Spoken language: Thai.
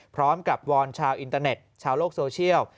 พร้อมกับวอนชาวอินเทอร์เน็ตชาวโลกโซเชียล